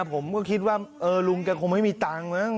ผมก็คิดว่าลุงแกคงไม่มีตังค์มั้ง